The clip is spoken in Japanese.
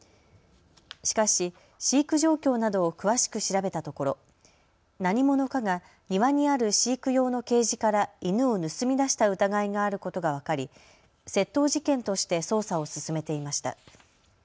しかし飼育状況などを詳しく調べたところ何者かが庭にある飼育用のケージから犬を盗み出した疑いがあることが分かり窃盗事件として捜査を進めていました。